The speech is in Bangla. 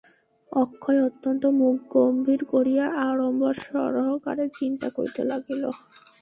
অক্ষয় অত্যন্ত মুখ গম্ভীর করিয়া আড়ম্বর-সহকারে চিন্তা করিতে লাগিল।